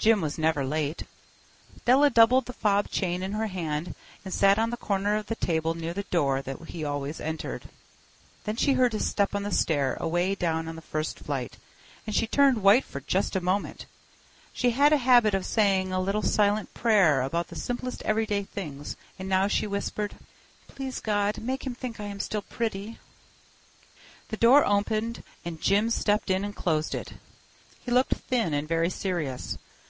Jim was never late. Della doubled the fob chain in her hand and sat on the corner of the table near the door that he always entered. Then she heard his step on the stair away down on the first flight, and she turned white for just a moment. She had a habit of saying a little silent prayer about the simplest everyday things, and now she whispered: "Please God, make him think I am still pretty." The door opened and Jim stepped in and closed it. He looked thin and very serious.